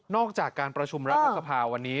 นอกจากการประชุมรัฐธรรพาวันนี้